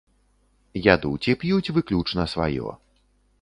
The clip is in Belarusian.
Ядуць і п'юць выключна сваё.